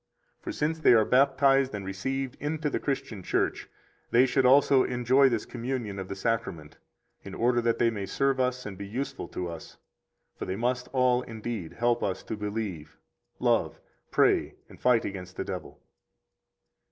For since they are baptized and received into the Christian Church, they should also enjoy this communion of the Sacrament, in order that they may serve us and be useful to us; for they must all indeed help us to believe, love, pray, and fight against the devil.